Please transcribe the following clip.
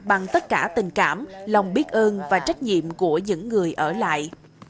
bằng tất cả tình cảm lòng biết ơn và trách nhiệm của những người ở lại